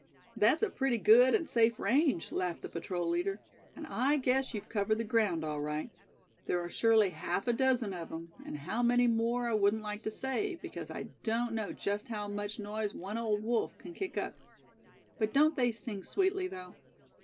"That's a pretty good and safe range," laughed the patrol leader; "and I guess you've covered the ground, all right. There are surely half a dozen of 'em, and how many more I wouldn't like to say, because I don't know just how much noise one old wolf can kick up. But don't they sing sweetly, though?